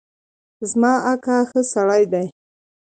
زما اکا ښه سړی دی